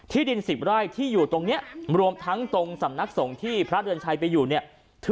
ดิน๑๐ไร่ที่อยู่ตรงนี้รวมทั้งตรงสำนักสงฆ์ที่พระเดือนชัยไปอยู่เนี่ย